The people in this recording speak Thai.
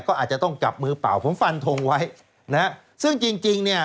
ก็อาจจะต้องจับมือเปล่าผมฟันทงไว้นะฮะซึ่งจริงจริงเนี่ย